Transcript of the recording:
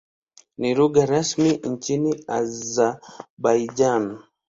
Ni lugha rasmi nchini Azerbaijan.